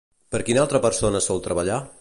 Per quina altra persona sol treballar?